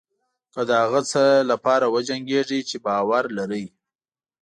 که د هغه څه لپاره وجنګېږئ چې باور لرئ.